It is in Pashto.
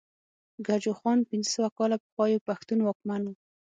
ګجوخان پنځه سوه کاله پخوا يو پښتون واکمن وو